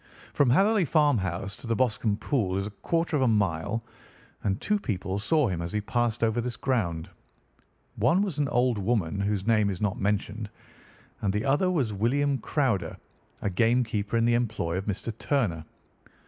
"From Hatherley Farmhouse to the Boscombe Pool is a quarter of a mile, and two people saw him as he passed over this ground. One was an old woman, whose name is not mentioned, and the other was William Crowder, a game keeper in the employ of Mr. Turner.